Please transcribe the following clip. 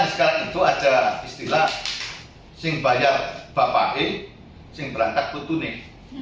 sekarang ada istilah yang bayar bapak yang berangkat ke tunik